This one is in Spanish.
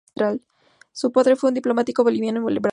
Su padre fue un diplomático boliviano en Brasil.